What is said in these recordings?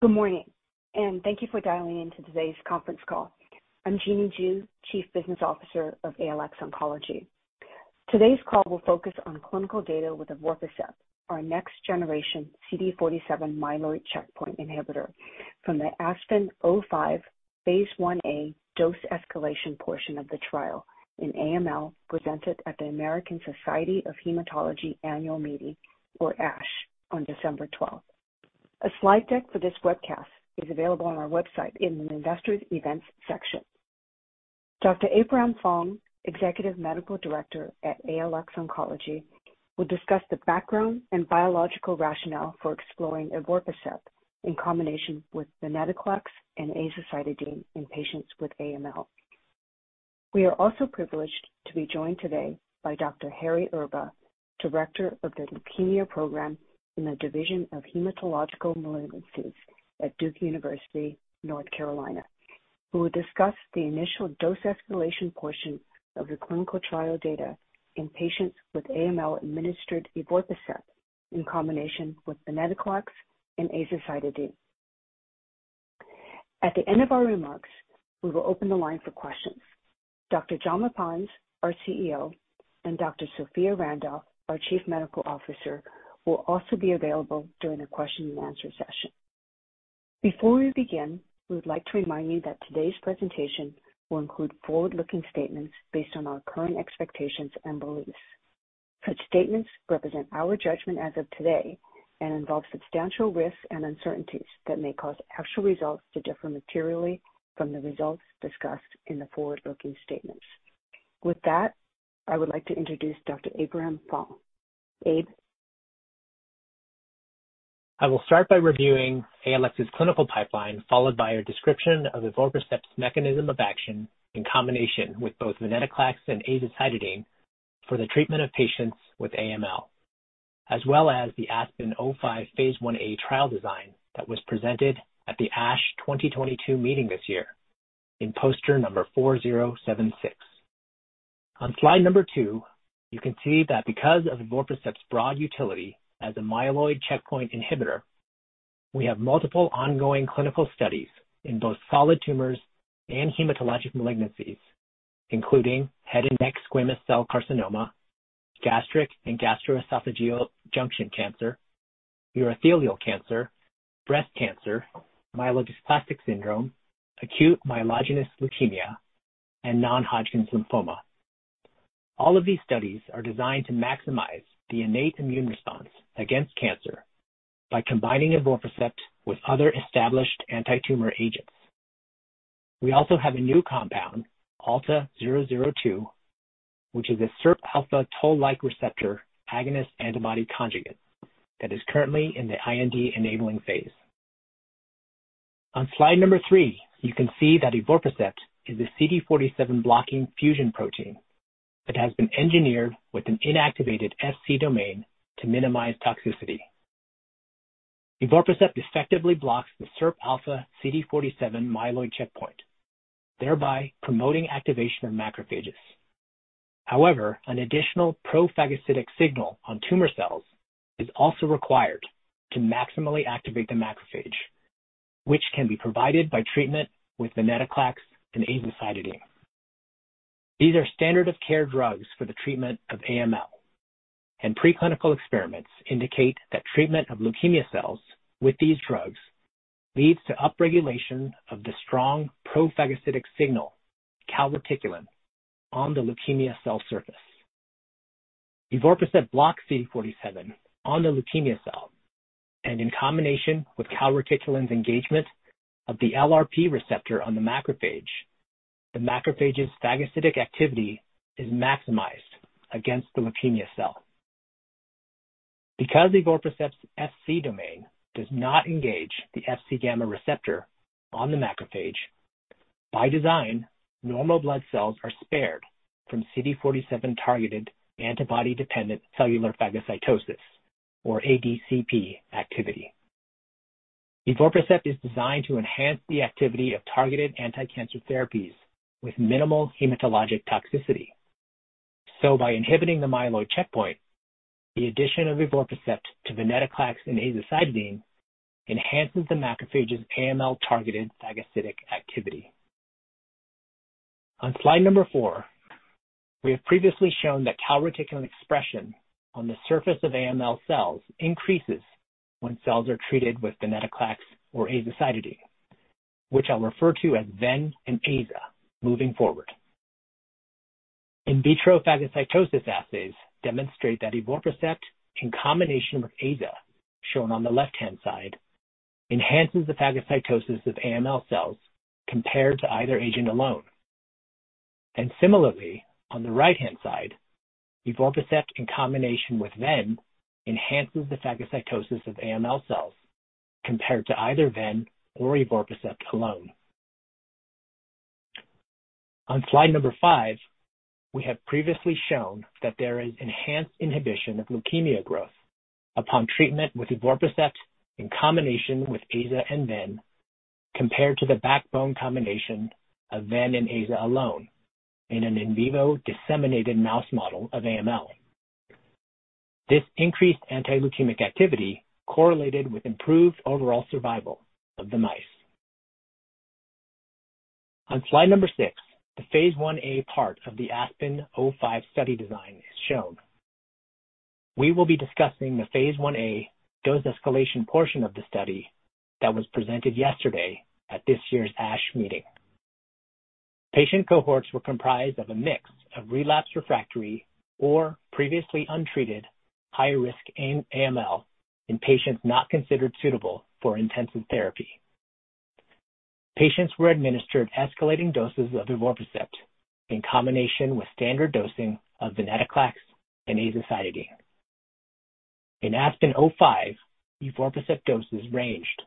Good morning, and thank you for dialing in to today's conference call. I'm Jeanne Jew, Chief Business Officer of ALX Oncology. Today's call will focus on clinical data with Evorpacept, our next-generation CD47 myeloid checkpoint inhibitor from the ASPEN-05 phase I-A dose escalation portion of the trial in AML, presented at the American Society of Hematology Annual Meeting, or ASH, on December 12th. A slide deck for this webcast is available on our website in the Investors Events section. Dr. Abraham Fong, Senior Medical Director at ALX Oncology, will discuss the background and biological rationale for exploring evorpacept in combination with venetoclax and azacitidine in patients with AML. We are also privileged to be joined today by Dr. Harry Erba, Director of the Leukemia Program in the Division of Hematologic Malignancies at Duke University, North Carolina, who will discuss the initial dose escalation portion of the clinical trial data in patients with AML-administered evorpacept in combination with venetoclax and azacitidine. At the end of our remarks, we will open the line for questions. Dr. Jason Lettmann, our CEO, and Dr. Sophia Randolph, our Chief Medical Officer, will also be available during the question-and-answer session. Before we begin, we would like to remind you that today's presentation will include forward-looking statements based on our current expectations and beliefs. Such statements represent our judgment as of today and involve substantial risks and uncertainties that may cause actual results to differ materially from the results discussed in the forward-looking statements. I would like to introduce Dr. Abraham Fong. Abe? I will start by reviewing ALX's clinical pipeline, followed by a description of evorpacept's mechanism of action in combination with both venetoclax and azacitidine for the treatment of patients with AML, as well as the ASPEN-05 phase I-A trial design that was presented at the ASH 2022 meeting this year in poster number 4076. On slide number two, you can see that because of evorpacept's broad utility as a myeloid checkpoint inhibitor, we have multiple ongoing clinical studies in both solid tumors and hematologic malignancies, including head and neck squamous cell carcinoma, gastric and gastroesophageal junction cancer, urothelial cancer, breast cancer, myelodysplastic syndrome, acute myelogenous leukemia, and non-Hodgkin's lymphoma. All of these studies are designed to maximize the innate immune response against cancer by combining evorpacept with other established antitumor agents. We also have a new compound, ALTA-002, which is a SIRPα toll-like receptor agonist antibody conjugate that is currently in the IND-enabling phase. On slide number three, you can see that evorpacept is a CD47-blocking fusion protein that has been engineered with an inactivated Fc domain to minimize toxicity. Evorpacept effectively blocks the SIRPα/CD47 myeloid checkpoint, thereby promoting activation of macrophages. However, an additional pro-phagocytic signal on tumor cells is also required to maximally activate the macrophage, which can be provided by treatment with venetoclax and azacitidine. These are standard-of-care drugs for the treatment of AML. Preclinical experiments indicate that treatment of leukemia cells with these drugs leads to upregulation of the strong pro-phagocytic signal calreticulin on the leukemia cell surface. Evorpacept blocks CD47 on the leukemia cell, and in combination with calreticulin's engagement of the LRP1 on the macrophage, the macrophage's phagocytic activity is maximized against the leukemia cell. Because evorpacept's Fc domain does not engage the Fc gamma receptor on the macrophage, by design, normal blood cells are spared from CD47-targeted antibody-dependent cellular phagocytosis or ADCP activity. Evorpacept is designed to enhance the activity of targeted anticancer therapies with minimal hematologic toxicity. By inhibiting the myeloid checkpoint, the addition of evorpacept to venetoclax and azacitidine enhances the macrophage's AML-targeted phagocytic activity. On slide number four, we have previously shown that calreticulin expression on the surface of AML cells increases when cells are treated with venetoclax or azacitidine, which I'll refer to as Ven and Aza moving forward. In vitro phagocytosis assays demonstrate that evorpacept in combination with Aza, shown on the left-hand side, enhances the phagocytosis of AML cells compared to either agent alone. Similarly, on the right-hand side, evorpacept in combination with Ven enhances the phagocytosis of AML cells compared to either Ven or evorpacept alone. On slide number 5five we have previously shown that there is enhanced inhibition of leukemia growth upon treatment with evorpacept in combination with Aza and Ven, compared to the backbone combination of Ven and Aza alone in an in vivo disseminated mouse model of AML. This increased anti-leukemic activity correlated with improved overall survival of the mice. On slide number six, phase I-A part of the ASPEN-05 study design is shown. We will be discussing phase I-A dose escalation portion of the study that was presented yesterday at this year's ASH meeting. Patient cohorts were comprised of a mix of relapsed refractory or previously untreated high risk in AML in patients not considered suitable for intensive therapy. Patients were administered escalating doses of evorpacept in combination with standard dosing of venetoclax and azacitidine. In ASPEN-05, evorpacept doses ranged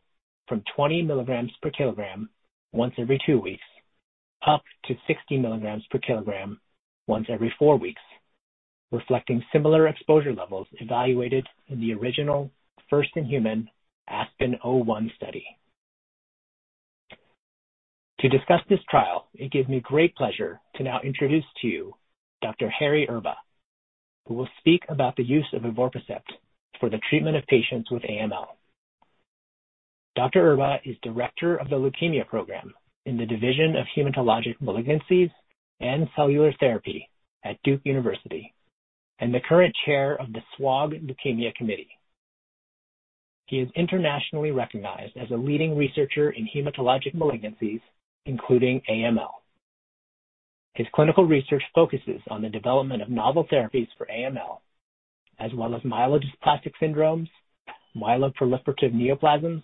from 20 milligrams per kilogram once every two weeks, up to 60 milligrams per kilogram once every four weeks, reflecting similar exposure levels evaluated in the original first-in-human ASPEN-01 study. To discuss this trial, it gives me great pleasure to now introduce to you Dr. Harry Erba, who will speak about the use of evorpacept for the treatment of patients with AML. Dr. Erba is director of the leukemia program in the Division of Hematologic Malignancies and Cellular Therapy at Duke University and the current chair of the SWOG Leukemia Committee. He is internationally recognized as a leading researcher in hematologic malignancies, including AML. His clinical research focuses on the development of novel therapies for AML, as well as myelodysplastic syndromes, myeloproliferative neoplasms,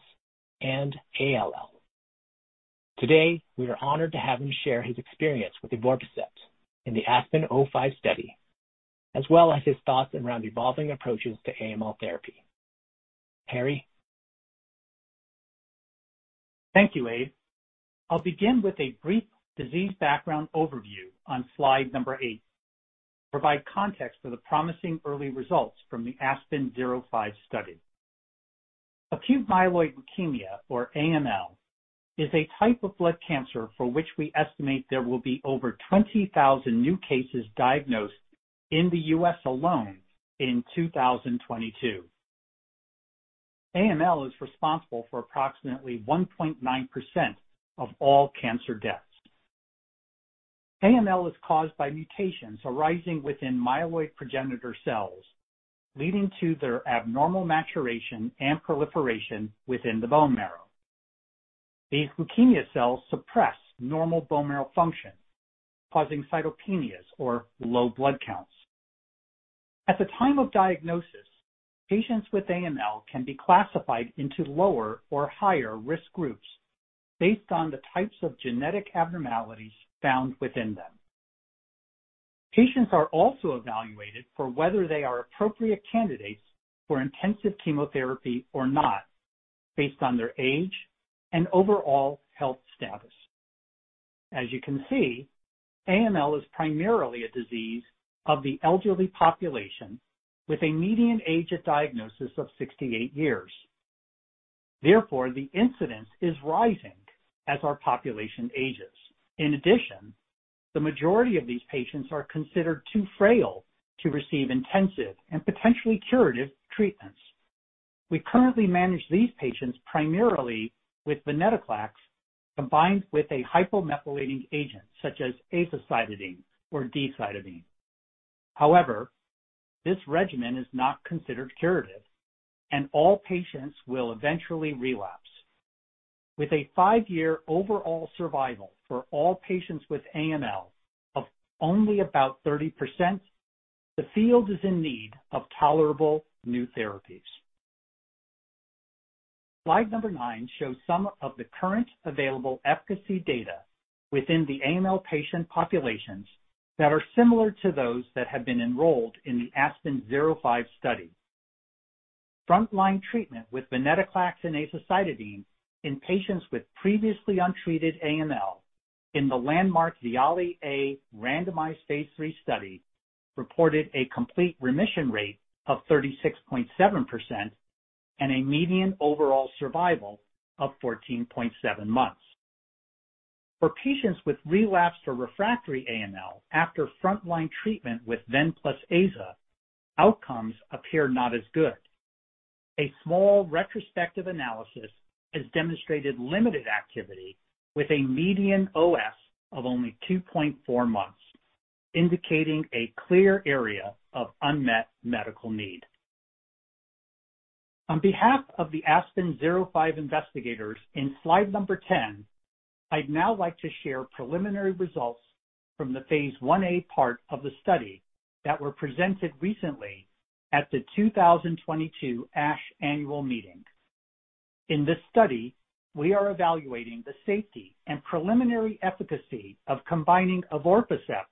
and ALL. Today, we are honored to have him share his experience with the evorpacept in the ASPEN-05 study, as well as his thoughts around evolving approaches to AML therapy. Harry. Thank you, Abe. I'll begin with a brief disease background overview on slide number eight, providing context for the promising early results from the ASPEN-05 study. Acute myeloid leukemia, or AML, is a type of blood cancer for which we estimate there will be over 20,000 new cases diagnosed in the U.S. alone in 2022. AML is responsible for approximately 1.9% of all cancer deaths. AML is caused by mutations arising within myeloid progenitor cells, leading to their abnormal maturation and proliferation within the bone marrow. These leukemia cells suppress normal bone marrow function, causing cytopenias or low blood counts. At the time of diagnosis, patients with AML can be classified into lower or higher-risk groups based on the types of genetic abnormalities found within them. Patients are also evaluated for whether they are appropriate candidates for intensive chemotherapy or not based on their age and overall health status. As you can see, AML is primarily a disease of the elderly population with a median age at diagnosis of 68 years. Therefore, the incidence is rising as our population ages. In addition, the majority of these patients are considered too frail to receive intensive and potentially curative treatments. We currently manage these patients primarily with venetoclax combined with a hypomethylating agent such as azacitidine or decitabine. However, this regimen is not considered curative, and all patients will eventually relapse. With a five-year overall survival for all patients with AML of only about 30%, the field is in need of tolerable new therapies. Slide number nine shows some of the current available efficacy data within the AML patient populations that are similar to those that have been enrolled in the ASPEN-05 study. Frontline treatment with venetoclax and azacitidine in patients with previously untreated AML in the landmark VIALE-A randomized phase III study reported a complete remission rate of 36.7% and a median overall survival of 14.7 months. For patients with relapse or refractory AML after frontline treatment with Ven plus Aza, outcomes appear not as good. A small retrospective analysis has demonstrated limited activity with a median OS of only 2.4 months, indicating a clear area of unmet medical need. On behalf of the ASPEN-05 investigators in slide number 10, I'd now like to share preliminary results from phase I-A part of the study that were presented recently at the 2022 ASH annual meeting. In this study, we are evaluating the safety and preliminary efficacy of combining evorpacept,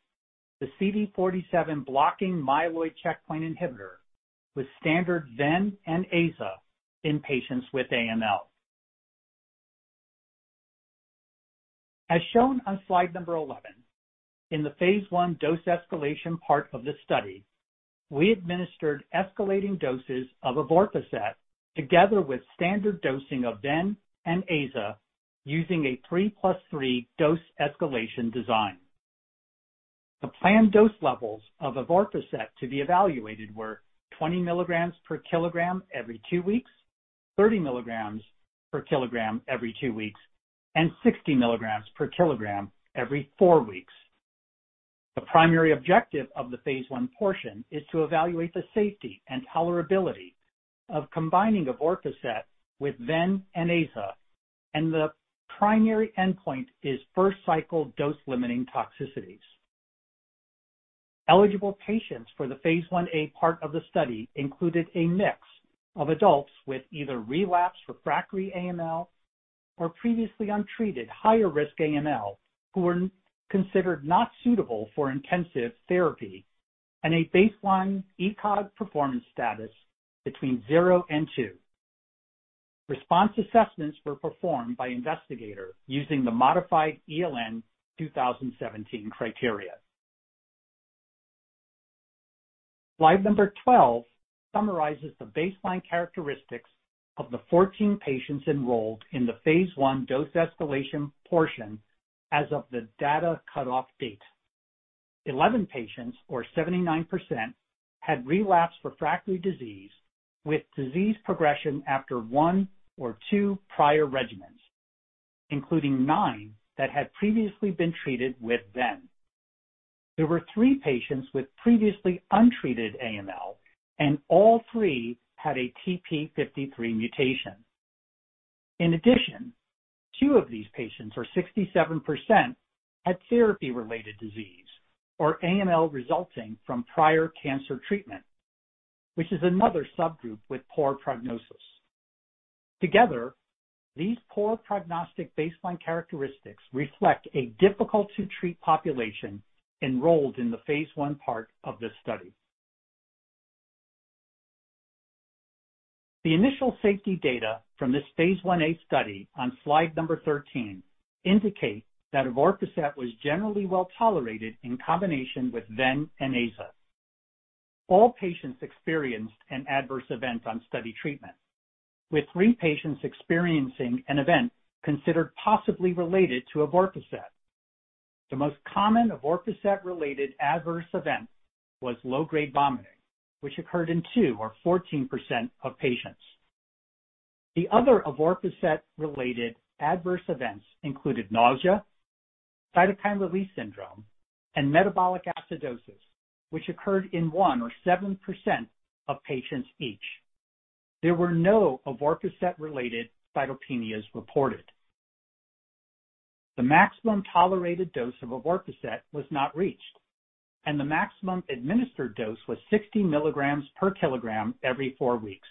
the CD47 blocking myeloid checkpoint inhibitor, with standard Ven and Aza in patients with AML. As shown on slide number 11, in the phase I dose escalation part of the study, we administered escalating doses of evorpacept together with standard dosing of Ven and Aza using a three plus three dose escalation design. The planned dose levels of evorpacept to be evaluated were 20 milligrams per kilogram every two weeks, 30 milligrams per kilogram every two weeks, and 60 milligrams per kilogram every four weeks. The primary objective of the phase I portion is to evaluate the safety and tolerability of combining evorpacept with Ven and Aza, and the primary endpoint is first-cycle dose-limiting toxicities. Eligible patients for phase I-A part of the study included a mix of adults with either relapsed, refractory AML or previously untreated higher-risk AML who were considered not suitable for intensive therapy and had a baseline ECOG performance status between zero and two. Response assessments were performed by the investigator using the modified ELN 2017 criteria. Slide number 12 summarizes the baseline characteristics of the 14 patients enrolled in the phase I dose escalation portion as of the data cutoff date. 11 patients, or 79%, had relapsed refractory disease with disease progression after one or two prior regimens, including nine that had previously been treated with Ven. There were three patients with previously untreated AML, and all three had a TP53 mutation. In addition, two of these patients, or 67%, had therapy-related disease or AML resulting from prior cancer treatment, which is another subgroup with poor prognosis. Together, these poor prognostic baseline characteristics reflect a difficult-to-treat population enrolled in the phase I part of this study. The initial safety data from the phase I-A study on slide number 13 indicate that evorpacept was generally well-tolerated in combination with Ven and Aza. All patients experienced an adverse event on study treatment, with three patients experiencing an event considered possibly related to evorpacept. The most common evorpacept-related adverse event was low-grade vomiting, which occurred in two or 14% of patients. The other evorpacept-related adverse events included nausea, cytokine release syndrome, and metabolic acidosis, which occurred in one or 7% of patients each. There were no evorpacept-related cytopenias reported. The maximum tolerated dose of evorpacept was not reached, and the maximum administered dose was 60 milligrams per kilogram every four weeks.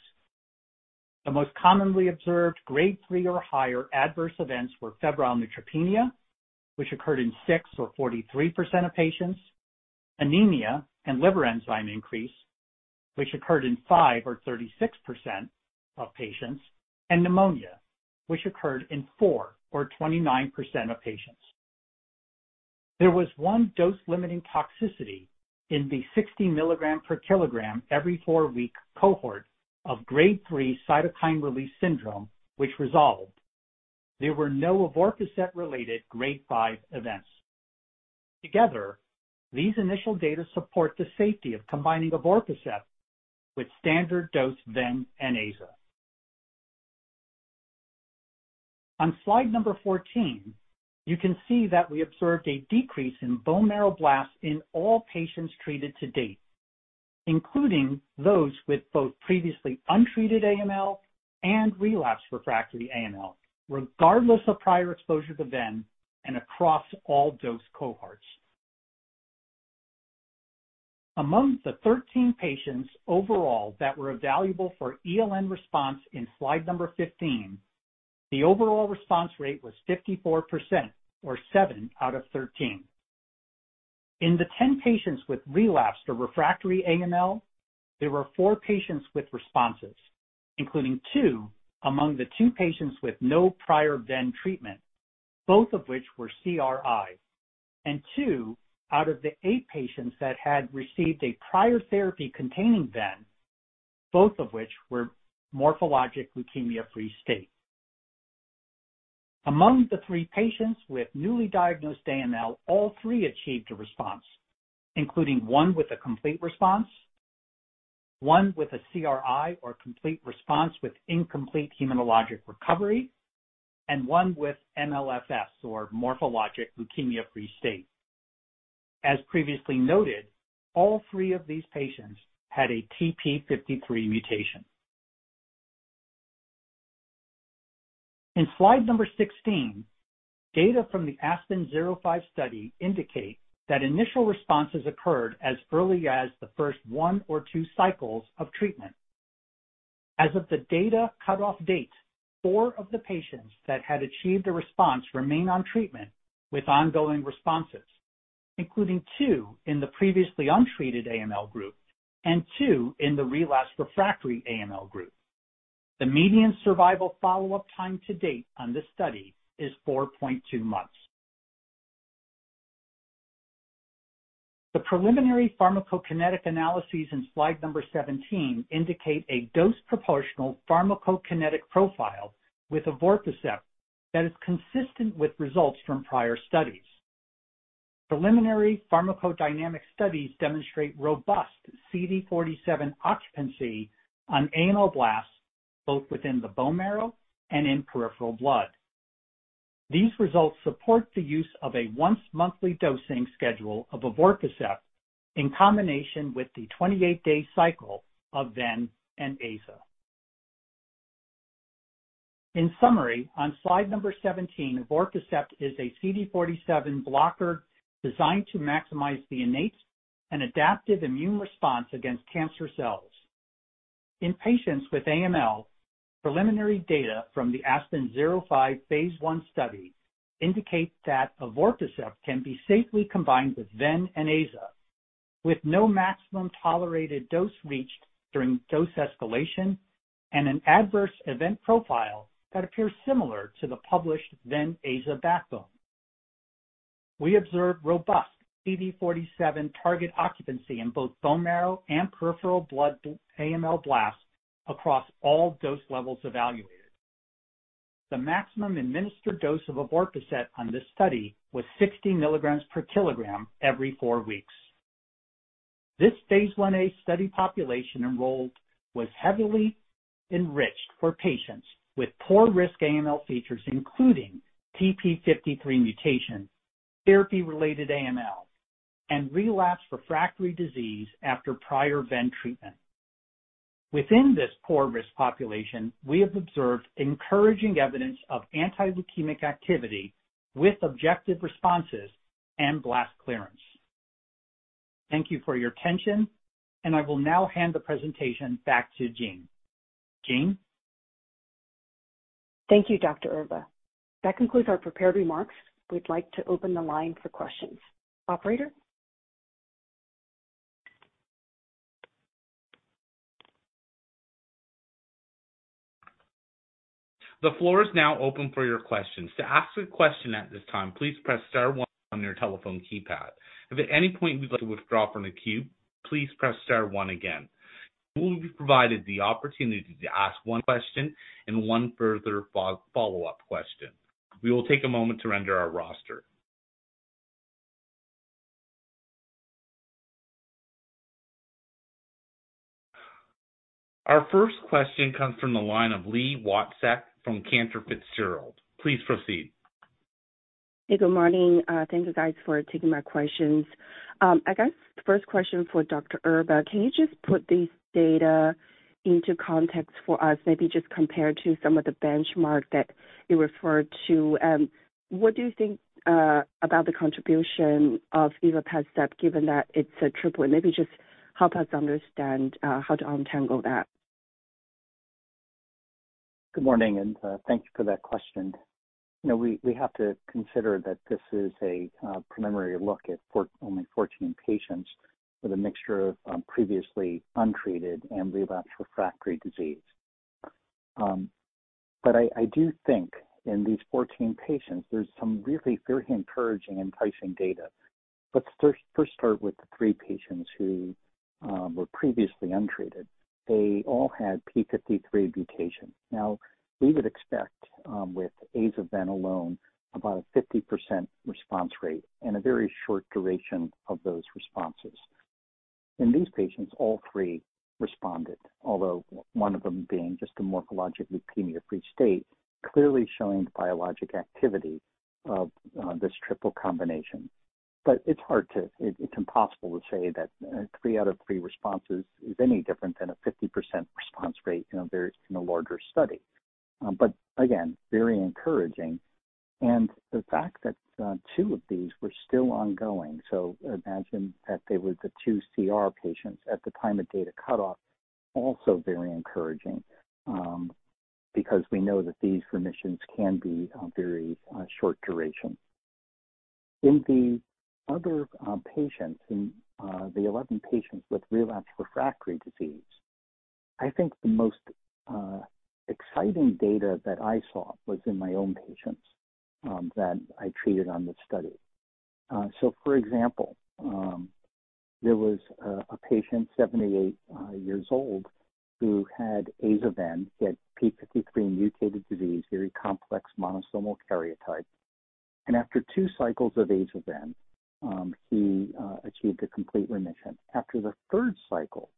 The most commonly observed grade three or higher adverse events were febrile neutropenia, which occurred in six or 43% of patients, anemia and liver enzyme increase, which occurred in five or 36% of patients, and pneumonia, which occurred in four or 29% of patients. There was 1 dose-limiting toxicity in the 60 milligram per kilogram every four-week cohort of grade three cytokine release syndrome, which resolved. There were no evorpacept-related grade five events. Together, these initial data support the safety of combining Evorpacept with standard dose Ven and Aza. On slide number 14, you can see that we observed a decrease in bone marrow blasts in all patients treated to date, including those with both previously untreated AML and relapsed refractory AML, regardless of prior exposure to ven and across all dose cohorts. Among the 13 patients overall that were evaluable for ELN response in slide number 15, the overall response rate was 54% or seven out of 13. In the 10 patients with relapsed or refractory AML, there were four patients with responses, including two among the two patients with no prior ven treatment, both of which were CRI, and two out of the eight patients that had received a prior therapy containing ven, both of which were morphologic leukemia-free state. Among the three patients with newly diagnosed AML, all three achieved a response, including one with a complete response, one with a CRI, or complete response with incomplete hematologic recovery, and one with MLFS, or morphologic leukemia-free state. As previously noted, all three of these patients had a TP53 mutation. In slide number 16, data from the ASPEN-05 study indicate that initial responses occurred as early as the first one or two cycles of treatment. As of the data cutoff date, four of the patients that had achieved a response remain on treatment with ongoing responses, including two in the previously untreated AML group and two in the relapsed, refractory AML group. The median survival follow-up time to date on this study is 4.2 months. The preliminary pharmacokinetic analyses in slide number 17 indicate a dose-proportional pharmacokinetic profile with evorpacept that is consistent with results from prior studies. Preliminary pharmacodynamic studies demonstrate robust CD47 occupancy on AML blasts, both within the bone marrow and in peripheral blood. These results support the use of a once-monthly dosing schedule of evorpacept in combination with the 28-day cycle of Ven and Aza. In summary, on slide number 17, evorpacept is a CD47 blocker designed to maximize the innate and adaptive immune response against cancer cells. In patients with AML, preliminary data from the ASPEN-05 phase I study indicate that evorpacept can be safely combined with Ven and Aza with no maximum tolerated dose reached during dose escalation and an adverse event profile that appears similar to the published Ven and Aza backbone. We observed robust CD47 target occupancy in both bone marrow and peripheral blood AML blasts across all dose levels evaluated. The maximum administered dose of evorpacept on this study was 60 milligrams per kilogram every four weeks. Phase I-A study population enrolled was heavily enriched for patients with poor-risk AML features including TP53 mutations, therapy-related AML, and relapsed refractory disease after prior Ven treatment. Within this poor-risk population, we have observed encouraging evidence of anti-leukemic activity with objective responses and blast clearance. Thank you for your attention. I will now hand the presentation back to Jeanne. Jeanne? Thank you, Dr. Erba. That concludes our prepared remarks. We'd like to open the line for questions. Operator? The floor is now open for your questions. To ask a question at this time, please press star one on your telephone keypad. If at any point you'd like to withdraw from the queue, please press star one again. You will be provided the opportunity to ask one question and one further follow-up question. We will take a moment to render our roster. Our first question comes from the line of Li Watsek from Cantor Fitzgerald. Please proceed. Hey, good morning. Thanks, guys, for taking my questions. I guess the first question is for Dr. Erba. Can you just put this data into context for us, maybe just compare to some of the benchmarks that you referred to? What do you think about the contribution of ivosidenib, given that it's a triple? Maybe just help us understand how to untangle that. Good morning, thank you for that question. You know, we have to consider that this is a preliminary look at for only 14 patients with a mixture of previously untreated and relapsed refractory disease. I do think in these 14 patients there's some really very encouraging enticing data. Let's first start with the three patients who were previously untreated. They all had a TP53 mutation. We would expect with Aza/Ven alone about a 50% response rate and a very short duration of those responses. In these patients, all three responded, although one of them being just a morphologically leukemia-free state, clearly showing the biologic activity of this triple combination. It's hard to... It's impossible to say that three out of three responses is any different than a 50% response rate in a very, in a larger study. Again, very encouraging. The fact that two of these were still ongoing, so imagine that they were the two CR patients at the time of data cutoff, also very encouraging, because we know that these remissions can be very short duration. In the other patients, in the 11 patients with relapsed refractory disease, I think the most exciting data that I saw was in my own patients that I treated on this study. So for example, there was a patient 78 years old who had Aza/Ven. He had P53 mutated disease, a very complex monosomal karyotype. After two cycles of Aza/Ven, he achieved a complete remission. After the third cycle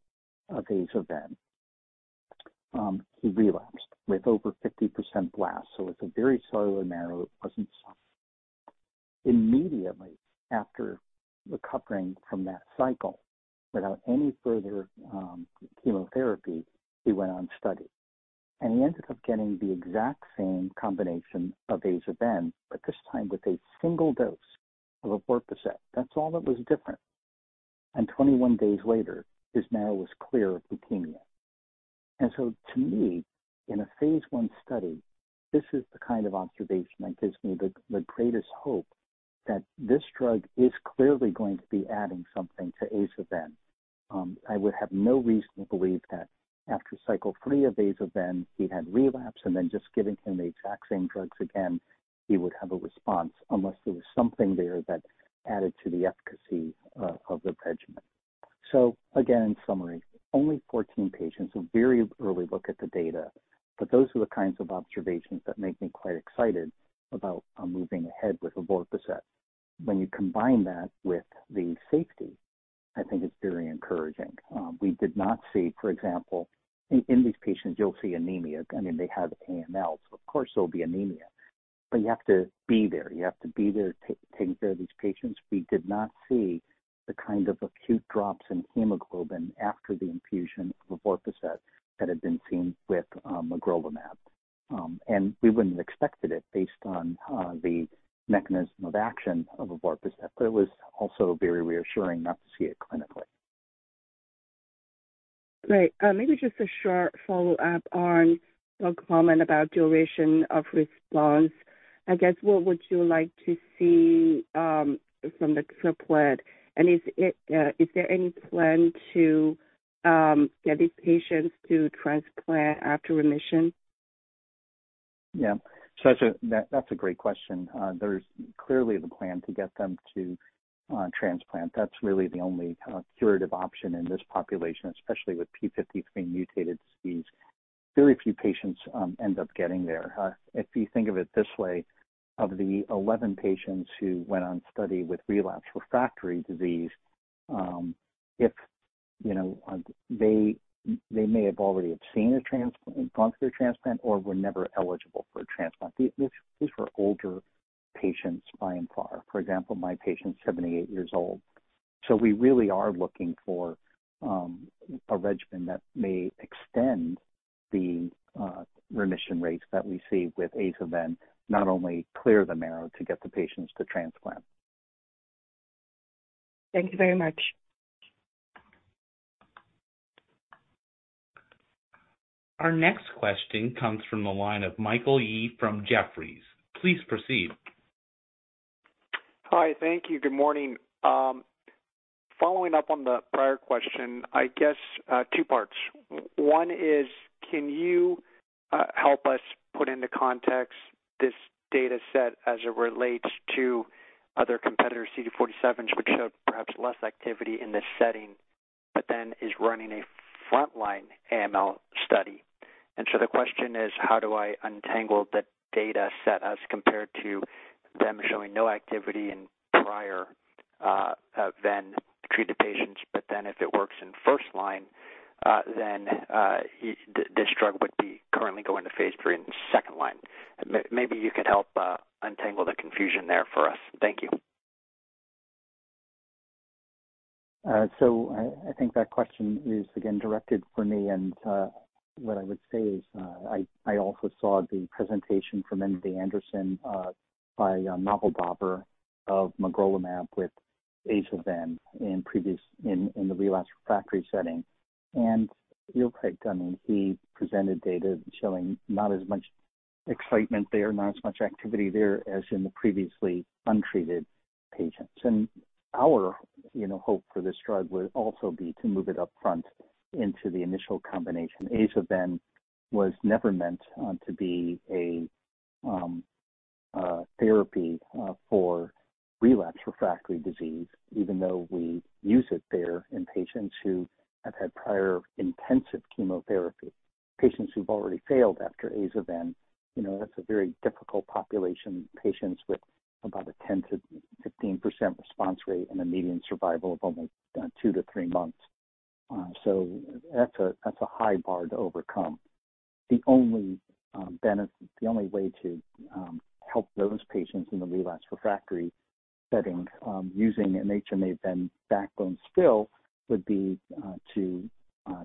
of Aza/Ven, he relapsed with over 50% blast. It's a very slowly marrow. It wasn't soft. Immediately after recovering from that cycle, without any further chemotherapy, he went on a study. He ended up getting the exact same combination of Aza/Ven, but this time with a single dose of Evorpacept. That's all that was different. 21 days later, his marrow was clear of leukemia. To me, in a phase I study, this is the kind of observation that gives me the greatest hope that this drug is clearly going to be adding something to Aza/Ven. I would have no reason to believe that after cycle three Aza/Ven, he had relapsed, and then just giving him the exact same drugs again, he would have a response unless there was something there that added to the efficacy of the regimen. Again, in summary, only 14 patients, a very early look at the data, but those are the kinds of observations that make me quite excited about moving ahead with Evorpacept. When you combine that with the safety, I think it's very encouraging. We did not see, for example, in these patients, you'll see anemia. I mean, they have AML, so of course there'll be anemia. You have to be there. You have to be there to taking care of these patients. We did not see the kind of acute drops in hemoglobin after the infusion of evorpacept that had been seen with magrolimab. We wouldn't have expected it based on the mechanism of action of evorpacept, but it was also very reassuring not to see it clinically. Right. Maybe just a short follow-up on your comment about duration of response. I guess, what would you like to see from the triplet? Is it, is there any plan to get these patients to transplant after remission? Yeah. That's a great question. There's clearly the plan to get them to transplant. That's really the only curative option in this population, especially with TP53-mutated disease. Very few patients end up getting there. If you think of it this way, of the 11 patients who went on study with relapsed refractory disease, if, you know, they may have already seen a transplant, gone through a transplant, or were never eligible for a transplant. These were older patients by and far. For example, my patient's 78 years old. We really are looking for a regimen that may extend the remission rates that we see with Aza/Ven, not only clear the marrow to get the patients to transplant. Thank you very much. Our next question comes from the line of Michael Yee from Jefferies. Please proceed. Hi. Thank you. Good morning. Following up on the prior question, I guess, two parts. One is, can you help us put into context this data set as it relates to other competitors, CD47s, which showed perhaps less activity in this setting? Is running a frontline AML study. The question is, how do I untangle the data set as compared to them showing no activity in prior Ven-treated patients? If it works in the first line, then this drug would be currently going to phase III in the second line. Maybe you could help untangle the confusion there for us. Thank you. I think that question is again directed at me. What I would say is, I also saw the presentation from MD Anderson by Naval Daver of magrolimab with Aza/Ven in the relapsed refractory setting. You're correct. I mean, he presented data showing not as much excitement there, not as much activity there as in the previously untreated patients. Our, you know, hope for this drug would also be to move it up front into the initial combination. Aza/Ven was never meant to be a therapy for relapsed, refractory disease, even though we use it there in patients who have had prior intensive chemotherapy. Patients who've already failed after Aza/Ven, you know, that's a very difficult population. Patients with about a 10%-15% response rate and a median survival of only, two to three months. That's a high bar to overcome. The only way to help those patients in the relapsed refractory setting, using an HMA backbone still would be to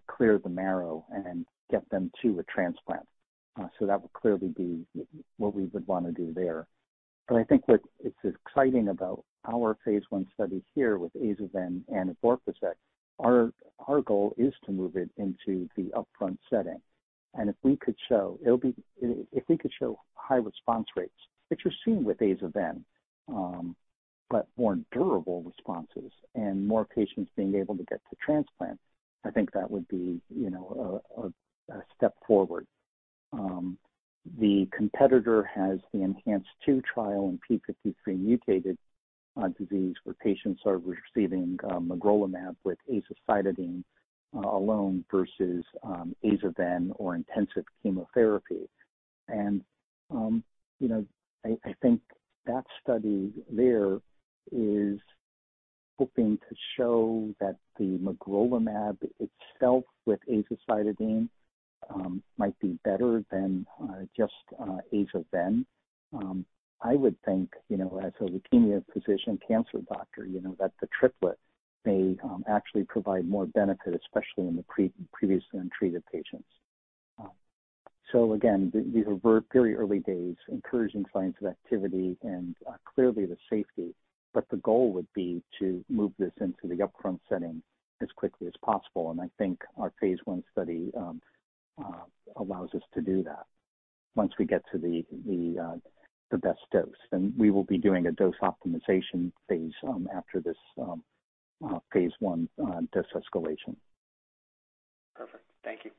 clear the marrow and get them to a transplant. That would clearly be what we would wanna do there. I think what it's exciting about our phase I study here with Aza/Ven and evorpacept, our goal is to move it into the upfront setting. If we could show high response rates, which you're seeing with Ven/Aza, but more durable responses and more patients being able to get to transplant, I think that would be, you know, a, a step forward. The competitor has the ENHANCE-2 trial in TP53-mutated disease where patients are receiving magrolimab with azacitidine alone versus Ven/Aza or intensive chemotherapy. I think that study there is hoping to show that the magrolimab itself with azacitidine might be better than just Ven/Aza. I would think, you know, as a leukemia physician, cancer doctor, you know, that the triplet may actually provide more benefit, especially in the previously untreated patients. Again, these are very early days, encouraging signs of activity and clearly the safety. The goal would be to move this into the upfront setting as quickly as possible, and I think our phase I study allows us to do that. Once we get to the best dose. We will be doing a dose optimization phase after this phase I dose escalation. Perfect. Thank you.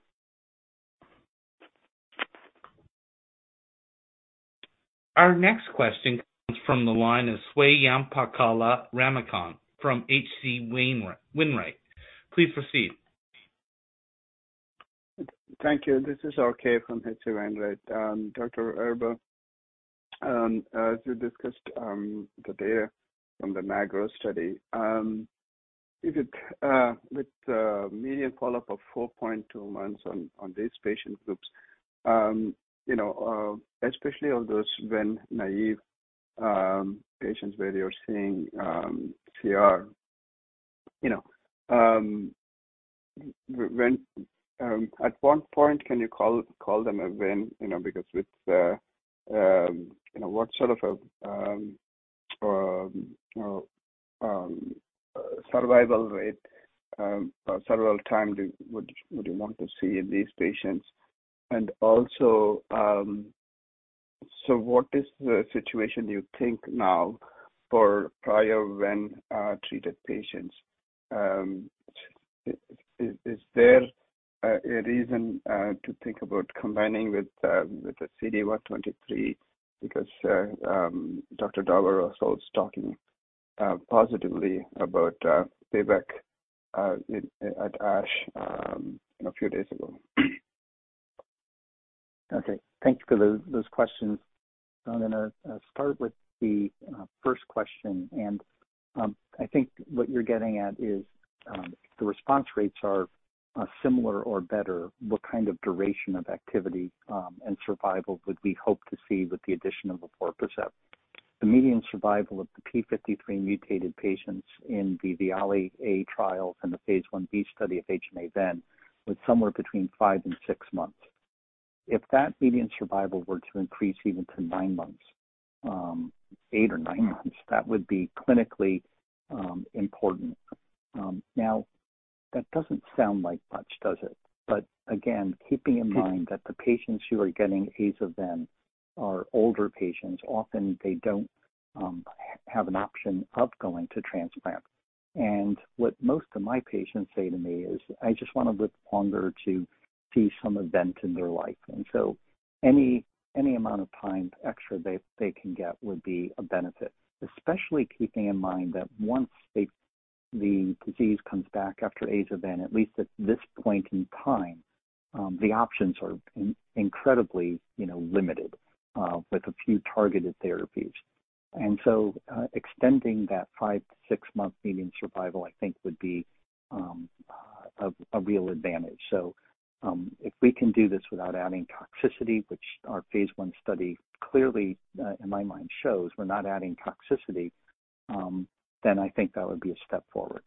Our next question comes from the line of Swayampakula Ramakanth from H.C. Wainwright. Please proceed. Thank you. This is RK from H.C. Wainwright. Dr. Erba, as you discussed today from the MAJIC study, if it with median follow-up of 4.2 months on these patient groups, you know, especially of those VEN-naive patients where you're seeing CR, you know, when at what point can you call them a VEN, you know, because with, you know, what sort of survival rate or several time would you want to see in these patients? What is the situation you think now for prior VEN-treated patients? Is there a reason to think about combining with the CD123 because Dr. Davar also was talking positively about pivekimab, at ASH, you know, a few days ago. Okay. Thank you for those questions. I'm gonna start with the first question. I think what you're getting at is the response rates are similar or better, what kind of duration of activity and survival would we hope to see with the addition of evorpacept? The median survival of the TP53-mutated patients in the VIALE-A trial and the phase I-B study of HMA+VEN was somewhere between five and six months. If that median survival were to increase even to nine months, eight or nine months, that would be clinically important. Now that doesn't sound like much, does it? Again, keeping in mind that the patients who are getting Ven/Aza are older patients, often they don't have the option of going to transplant. What most of my patients say to me is, "I just wanna live longer to see some event in their life." So any amount of time extra they can get would be a benefit, especially keeping in mind that once the disease comes back after Ven/Aza, at least at this point in time, the options are incredibly, you know, limited, with a few targeted therapies. So, extending that five to six-month median survival, I think would be a real advantage. If we can do this without adding toxicity, which our phase I study clearly, in my mind shows we're not adding toxicity, then I think that would be a step forward.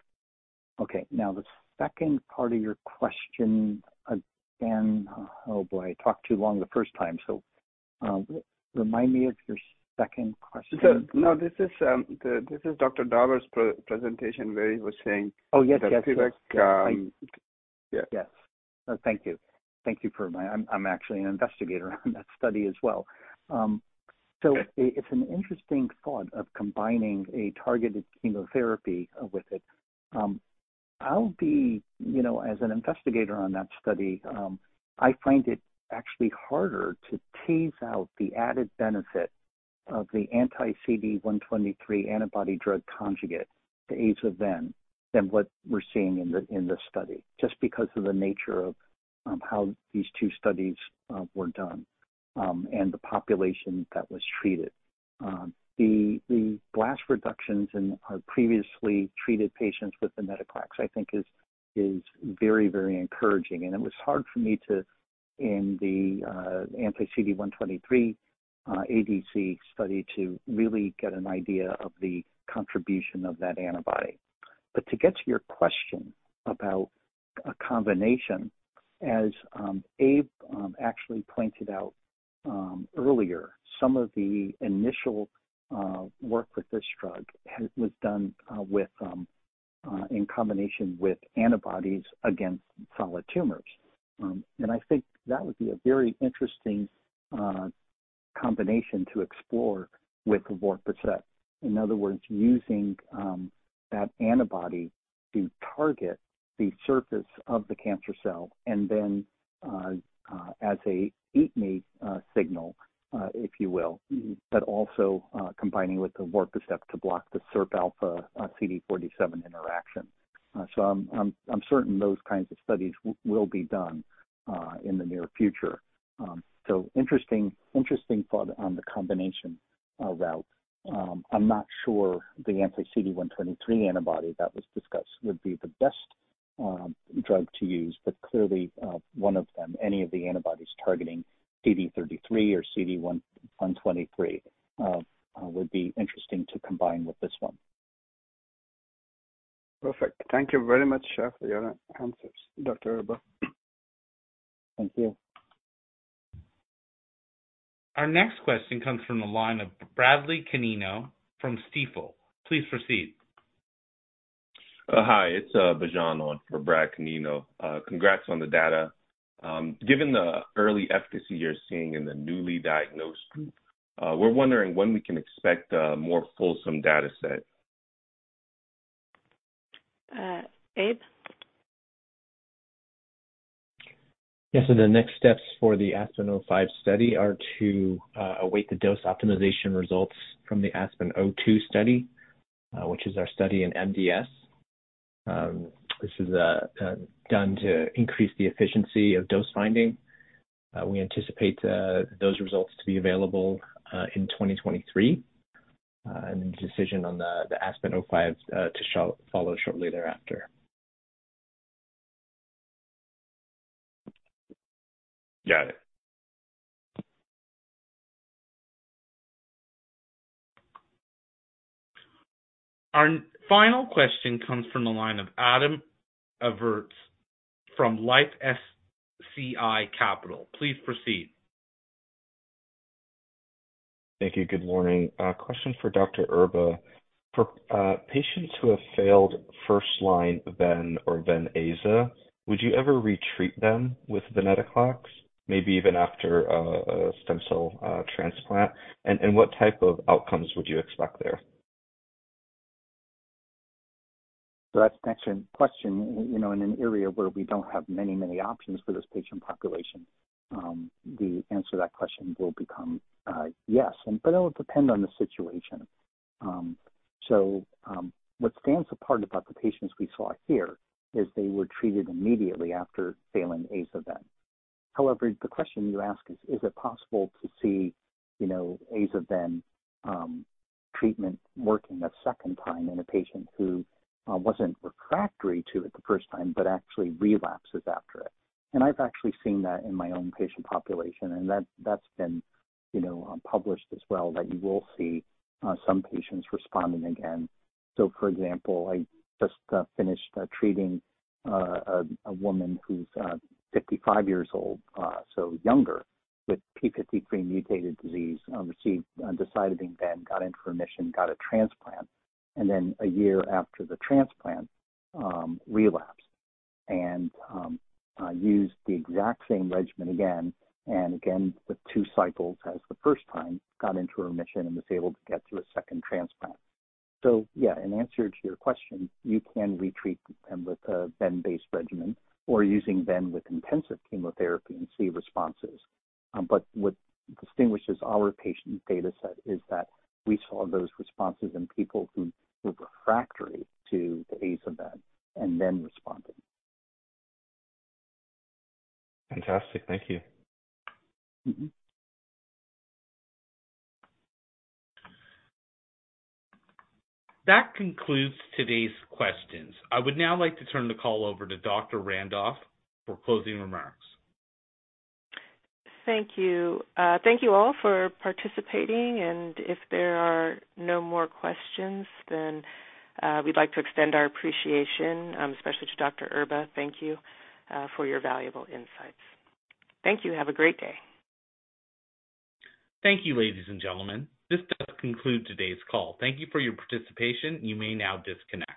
Okay. Now, the second part of your question again, Oh, boy, I talked too long the first time, so remind me of your second question. No, this is Dr. Davar's pre-presentation where he was saying... Oh, yes. the feedback. Yeah. Yes. No, thank you. Thank you for my-- I'm actually an investigator on that study as well. Okay. -it, it's an interesting thought of combining a targeted chemotherapy with it. I'll be, you know, as an investigator on that study, I find it actually harder to tease out the added benefit of the anti-CD123 antibody drug conjugate to Ven/Aza than what we're seeing in this study. Just because of the nature of how these two studies were done, and the population that was treated. The blast reductions in our previously treated patients with the venetoclax, I think is very, very encouraging. It was hard for me to, in the anti-CD123 ADC study, to really get an idea of the contribution of that antibody. To get to your question about a combination, as Abe actually pointed out earlier, some of the initial work with this drug was done with in combination with antibodies against solid tumors. I think that would be a very interesting combination to explore with Evorpacept. In other words, using that antibody to target the surface of the cancer cell and then as a eat me signal, if you will, but also combining with the evorpacept to block the SIRPα CD47 interaction. I'm certain those kinds of studies will be done in the near future. Interesting, interesting thought on the combination route. I'm not sure the anti-CD123 antibody that was discussed would be the best drug to use, but clearly, one of them, any of the antibodies targeting CD33 or CD123, would be interesting to combine with this one. Perfect. Thank you very much for your answers, Dr. Erba. Thank you. Our next question comes from the line of Bradley Canino from Stifel. Please proceed. Hi, it's Bijan on for Brad Canino. Congrats on the data. Given the early efficacy you're seeing in the newly diagnosed group, we're wondering when we can expect a more fulsome data set? Abe? Yes. The next steps for the ASPEN-05 study are to await the dose optimization results from the ASPEN-02 study, which is our study in MDS. This is done to increase the efficiency of dose finding. We anticipate those results to be available in 2023, and the decision on the ASPEN-05 to follow shortly thereafter. Got it. Our final question comes from the line of Adam Evertts from LifeSci Capital. Please proceed. Thank you. Good morning. A question for Dr. Erba. For, patients who have failed first-line Ven or Ven/Aza, would you ever retreat them with venetoclax, maybe even after, a stem cell, transplant? And what type of outcomes would you expect there? That's an excellent question. You know, in an area where we don't have many, many options for this patient population, the answer to that question will become yes, and but it will depend on the situation. What stands apart about the patients we saw here is they were treated immediately after failing Aza/Ven. However, the question you ask is it possible to see, you know, Aza/Ven treatment working a second time in a patient who wasn't refractory to it the first time but actually relapses after it? I've actually seen that in my own patient population, and that's been, you know, published as well, that you will see some patients responding again. For example, I just finished treating a woman who's 55 years old, so younger, with TP53-mutated disease, received decitabine Ven, got into remission, and got a transplant. Then a year after the transplant, relapsed. Used the exact same regimen again and again with two cycles as the first time, got into remission, and was able to get to a second transplant. Yeah, in answer to your question, you can re-treat them with a Ven-based regimen or using Ven with intensive chemotherapy and see responses. What distinguishes our patient data set is that we saw those responses in people who were refractory to the Aza/Ven and then responded. Fantastic. Thank you. Mm-hmm. That concludes today's questions. I would now like to turn the call over to Dr. Randolph for closing remarks. Thank you. Thank you all for participating. If there are no more questions, we'd like to extend our appreciation, especially to Dr. Erba. Thank you for your valuable insights. Thank you. Have a great day. Thank you, ladies and gentlemen. This does conclude today's call. Thank you for your participation. You may now disconnect.